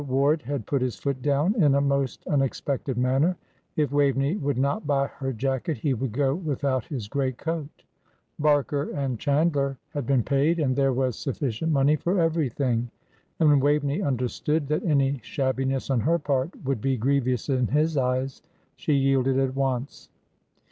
Ward had put his foot down in a most unexpected manner; if Waveney would not buy her jacket he would go without his great coat; Barker and Chandler had been paid, and there was sufficient money for everything. And when Waveney understood that any shabbiness on her part would be grievous in his eyes, she yielded at once.